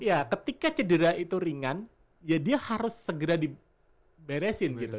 ya ketika cedera itu ringan ya dia harus segera diberesin gitu